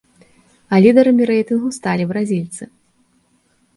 А лідарамі рэйтынгу сталі бразільцы.